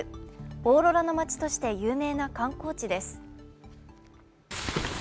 オーロラの街として有名な観光地です。